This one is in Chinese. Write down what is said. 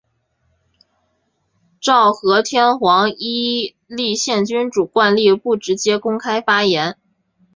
昭和天皇依立宪君主惯例不直接公开发言。